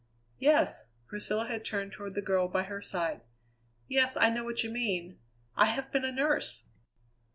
"Yes" Priscilla had turned toward the girl by her side "yes, I know what you mean. I have been a nurse."